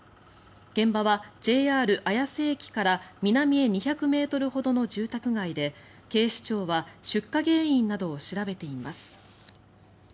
現場はＪＲ綾瀬駅から南へ２００ｍほどの住宅街で警視庁は出火原因などを調べています。